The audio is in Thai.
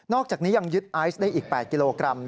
อกจากนี้ยังยึดไอซ์ได้อีก๘กิโลกรัม